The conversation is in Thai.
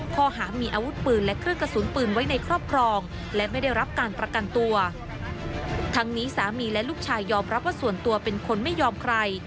ข้อหามีอาวุธปืนและเครื่องกระสุนปืนไว้ในครอบครองและไม่ได้รับการประกันตัวทั้งนี้สามีและลูกชายยอมรับว่าส่วนตัวเป็นคนไม่ยอมใคร